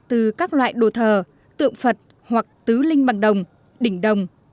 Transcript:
từ các loại đồ thờ tượng phật hoặc tứ linh bằng đồng đỉnh đồng